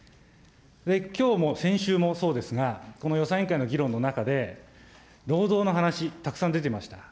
きょうも先週もそうですが、この予算委員会の議論の中で、労働の話、たくさん出てました。